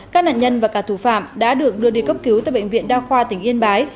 các nạn nhân và cả thủ phạm đã được đưa đi cấp cứu tại bệnh viện đa khoa tỉnh yên bái